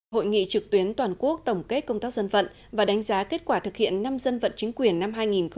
hội nghị trực tuyến toàn quốc tổng kết công tác dân vận và đánh giá kết quả thực hiện năm dân vận chính quyền năm hai nghìn một mươi chín